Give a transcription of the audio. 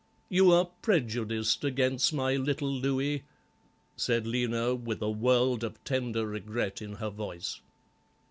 "You are prejudiced against my little Louis," said Lena, with a world of tender regret in her voice.